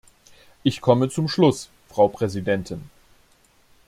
Ich komme zum Schluss, Frau Präsidentin.